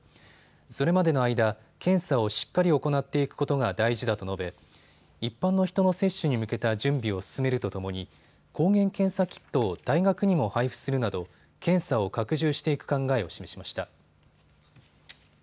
それまでの間、検査をしっかり行っていくことが大事だと述べ一般の人の接種に向けた準備を進めるとともに抗原検査キットを大学にも配布するなど検査を拡充していく考えを示しました。